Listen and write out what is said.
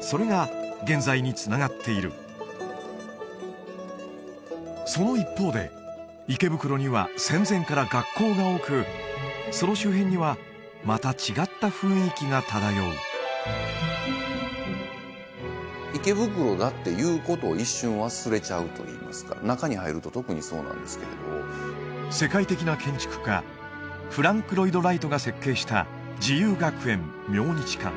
それが現在につながっているその一方で池袋には戦前から学校が多くその周辺にはまた違った雰囲気が漂う池袋だっていうことを一瞬忘れちゃうといいますか中に入ると特にそうなんですけれど世界的な建築家フランク・ロイド・ライトが設計した自由学園明日館